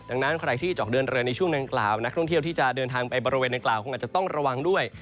ดังนั้นใครที่จะออกเดินเรือในช่วงดังกล่าวนักท่องเที่ยวที่จะเดินทางไปบริเวณนางกล่าวคงอาจจะต้องระวังด้วย